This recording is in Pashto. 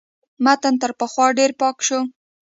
متن تر پخوا ډېر پاک شو.